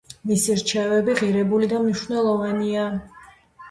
მისი რჩევები ღირებული და მნიშვნელოვანია